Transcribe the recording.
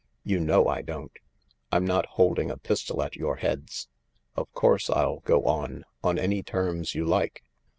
" You know I don't. I'm not holding a pistol at your heads. Of course I'll go on, on any terms you like.